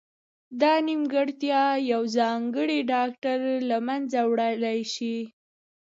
دا نیمګړتیا یو ځانګړی ډاکټر له منځه وړلای شي.